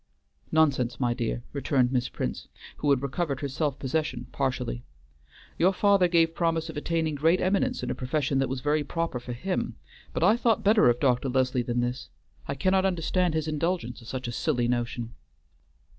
"Nonsense, my dear," returned Miss Prince, who had recovered her self possession partially. "Your father gave promise of attaining great eminence in a profession that was very proper for him, but I thought better of Dr. Leslie than this. I cannot understand his indulgence of such a silly notion."